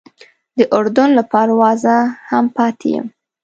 د اردن له پروازه هم پاتې یم.